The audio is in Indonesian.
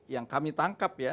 yang kami tangkap ya